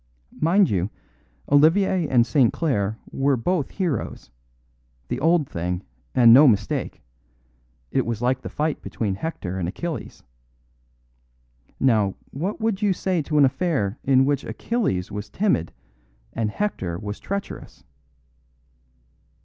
Mind you, Olivier and St. Clare were both heroes the old thing, and no mistake; it was like the fight between Hector and Achilles. Now, what would you say to an affair in which Achilles was timid and Hector was treacherous?"